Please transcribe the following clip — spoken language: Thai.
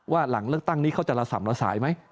หลังเลือกตั้งนี้เขาจะระส่ำละสายไหม